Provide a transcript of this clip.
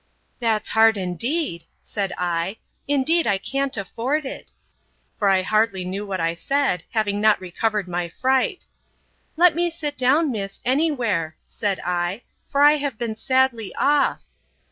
That's hard indeed, said I;—Indeed I can't afford it;—for I hardly knew what I said, having not recovered my fright. Let me sit down, miss, any where, said I; for I have been sadly off.